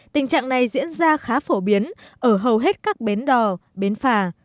tình trạng này diễn ra khá phổ biến ở hầu hết các bến đò bến phà